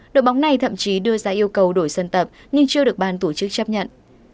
đội bóng này thậm chí đưa ra yêu cầu đổi sân tập nhưng chưa được ban tổ chức chấp nhận